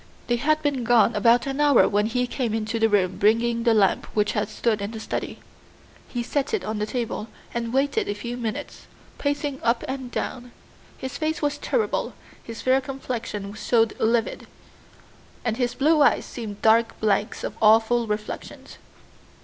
They had been gone about an hour when he came into the room bringing the lamp which had stood in the study. He set it on the table, and waited a few minutes, pacing up and down. His face was terrible, his fair complexion showed livid, and his blue eyes seemed dark blanks of awful reflections.